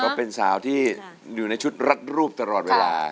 เป็นสาวที่อยู่ในชุดรัดรูปตลอดเวลา